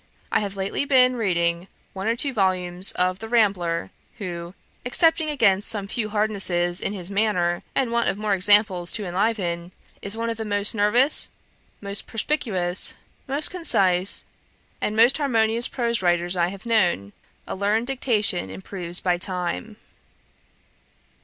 'I have lately been reading one or two volumes of The Rambler; who, excepting against some few hardnesses in his manner, and the want of more examples to enliven, is one of the most nervous, most perspicuous, most concise, [and] most harmonious prose writers I know. A learned diction improves by time.'